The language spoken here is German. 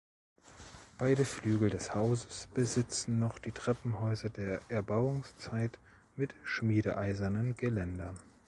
Beide Flügel des Hauses besitzen noch die Treppenhäuser der Erbauungszeit mit schmiedeeisernen Geländern.